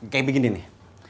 kayak begini nih